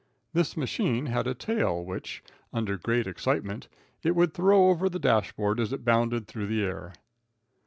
This machine had a tail which, under great excitement, it would throw over the dash board as it bounded through the air.